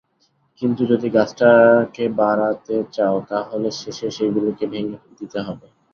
কিন্তু যদি গাছটাকে বাড়াতে চাও, তা হলে শেষে সেগুলিকে ভেঙে দিতে হবে।